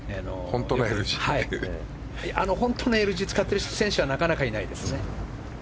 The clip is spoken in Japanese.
本当のＬ字を使っている選手はなかなかいないですね。